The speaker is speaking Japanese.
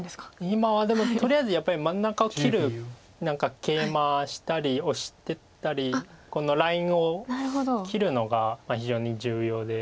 今はでもとりあえずやっぱり真ん中を切る何かケイマしたりオシていったりこのラインを切るのが非常に重要で。